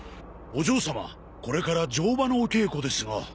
お嬢様これから乗馬のお稽古ですが。